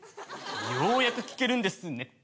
ようやく聞けるんですね。